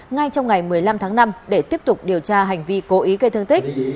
ngay trong ngày một mươi năm tháng năm để tiếp tục điều tra hành vi cố ý gây thương tích